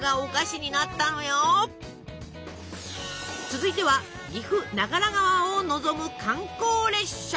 続いては岐阜長良川を望む観光列車。